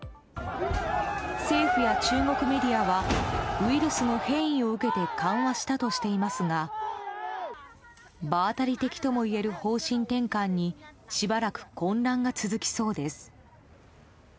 政府や中国メディアはウイルスの変異を受けて緩和したとしていますが場当たり的ともいえる方針転換にしばらく混乱が続きそうです。